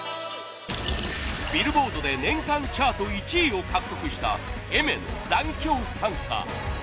ビルボードで年間チャート１位を獲得したＡｉｍｅｒの『残響散歌』。